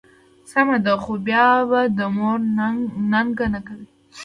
سمه ده، خو بیا به د مور ننګه نه کوې.